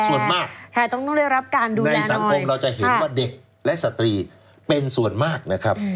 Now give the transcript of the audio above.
ส่วนมากในสังคมเราจะเห็นว่าเด็กและสตรีเป็นส่วนมากนะครับ